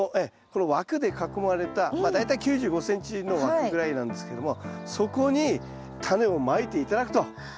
この枠で囲まれた大体９５ｃｍの枠ぐらいなんですけどもそこにタネをまいて頂くということになると思います。